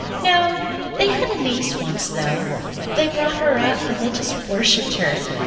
"No. They had a niece once, though. They brought her up and they just worshipped her.